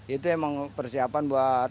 itu emang persiapan buat